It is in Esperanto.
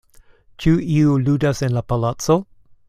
Ĉu iu ludas en la palaco?